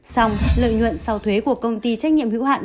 xong lợi nhuận sau thuế của công ty trách nhiệm hữu hạn